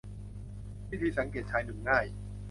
วิธีสังเกตชายหนุ่มง่าย